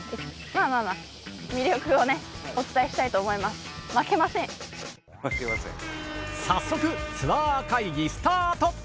まあまあ早速ツアー会議スタート！